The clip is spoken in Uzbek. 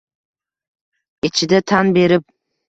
ichida tan berib.